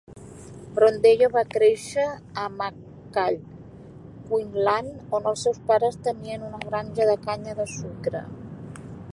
Brondello va créixer a Mackay, Queensland, on els seus pares tenien una granja de canya de sucre.